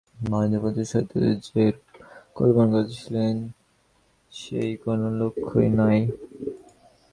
মহেন্দ্র প্রত্যুষ হইতে যেরূপ কল্পনা করিতেছিল, সেই অপূর্বতার কোনো লক্ষণই নাই।